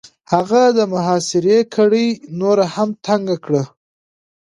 هغه د محاصرې کړۍ نوره هم تنګ کړه.